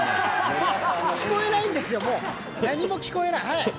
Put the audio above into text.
聞こえないんですよ、もう、何も聞こえないです。